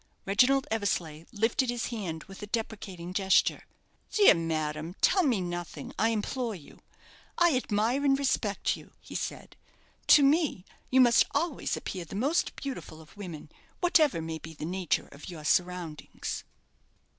Reginald Eversleigh lifted his hand with a deprecating gesture. "Dear madame, tell me nothing, I implore you. I admire and respect you," he said. "To me, you must always appear the most beautiful of women, whatever may be the nature of your surroundings."